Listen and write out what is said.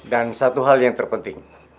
dan satu hal yang terpenting